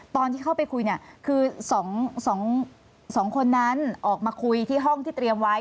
ตอนที่เข้าไปคุยเนี่ยคือ๒คนนั้นออกมาคุยที่ห้องที่เตรียมไว้